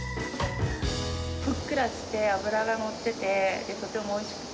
ふっくらして、脂が乗ってて、とてもおいしくて。